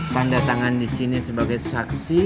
tanda tangan disini sebagai saksi